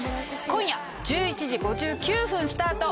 今夜１１時５９分スタート